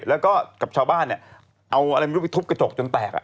แล้วก็กับชาวบ้านเอาอะไรไปทุบกระจกจนแตก